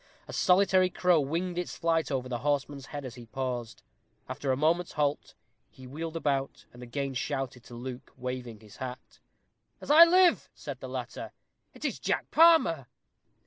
A solitary crow winged its flight over the horseman's head as he paused. After a moment's halt, he wheeled about, and again shouted to Luke, waving his hat. "As I live," said the latter, "it is Jack Palmer."